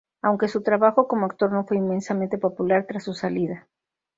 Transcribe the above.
Aunque su trabajo como actor no fue inmensamente popular, tras su salida.